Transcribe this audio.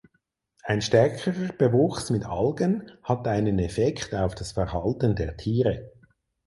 Ein stärkerer Bewuchs mit Algen hat einen Effekt auf das Verhalten der Tiere.